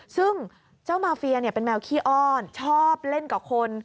ซึ่งเจ้ามาเฟียเป็นแมวขี้อ้อนชอบเล่นกับคน